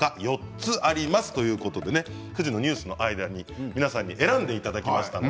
４つあります、ということで９時のニュースの間に皆さんに選んでいただきました。